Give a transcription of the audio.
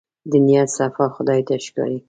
د نيت صفا خدای ته ښکاري.